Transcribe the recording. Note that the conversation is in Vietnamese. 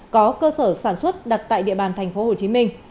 có cơ sở sản xuất đặt tại địa bàn tp hồ chí minh